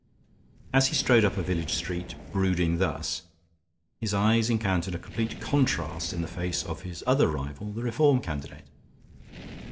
As he strode up a village street, brooding thus, his eyes encountered a complete contrast in the face of his other rival, the Reform candidate.